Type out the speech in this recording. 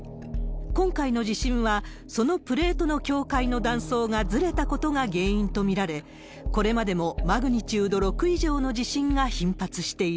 今回の地震は、そのプレートの境界の断層がずれたことが原因と見られ、これまでもマグニチュード６以上の地震が頻発している。